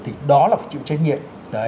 thì đó là phải chịu trách nhiệm